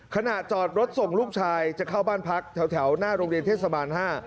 ขณะจอดรถส่งลูกชายจะเข้าบ้านพักแถวหน้าโรงเรียนเทศบาล๕